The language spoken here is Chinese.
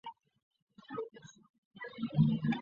弗内斯两部分。